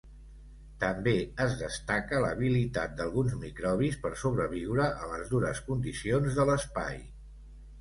També es destaca l'habilitat d'alguns microbis per sobreviure a les dures condicions de l'espai.